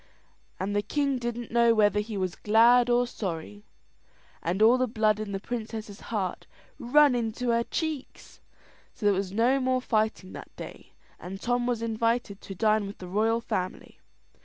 And the king didn't know whether he was glad or sorry, and all the blood in the princess's heart run into her cheeks. So there was no more fighting that day, and Tom was invited to dine with the royal family.